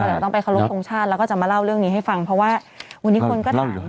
เดี๋ยวต้องไปเคารพทรงชาติแล้วก็จะมาเล่าเรื่องนี้ให้ฟังเพราะว่าวันนี้คนก็ถาม